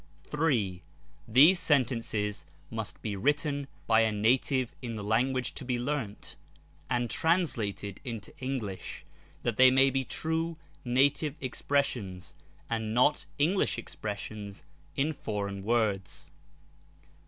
3. These sentences must be written by a native in the language to be learnt, and translated into English, that they may be true native expressions, and not English expressions in foreign words.